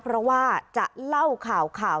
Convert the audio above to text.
เพราะว่าจะเล่าข่าว